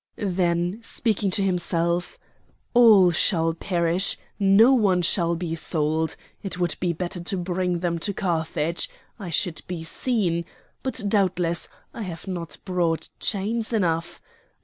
Then speaking to himself:—"All shall perish! not one shall be sold! It would be better to bring them to Carthage! I should be seen—but doubtless, I have not brought chains enough?